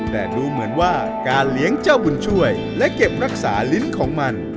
แต่ดูเหมือนว่าการเลี้ยงเจ้าบุญช่วยและเก็บรักษาลิ้นของมัน